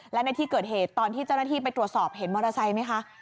และในที่เกิดเหตุตอนที่เจ้าหน้าที่ไปตรวจสอบเห็นมอเตอร์ไซค์ไหมคะ